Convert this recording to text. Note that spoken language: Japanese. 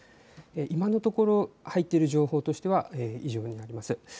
今のところ、入っている情報としては以上になります。